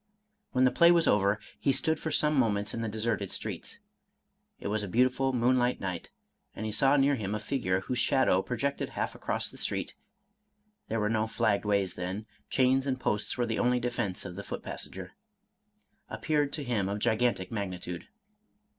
When the play was over, he stood for some moments in the deserted streets. It was a beautiful moonlight night, and he saw near him a figure, whose shadow, projected 184 Charles Robert Maturin half across the street (there were no flagged ways then, chains and posts were the only defense of the foot pas senger), appeared to him of gigantic magnitude.